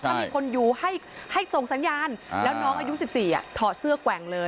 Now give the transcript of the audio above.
ถ้ามีคนอยู่ให้ส่งสัญญาณแล้วน้องอายุ๑๔ถอดเสื้อแกว่งเลย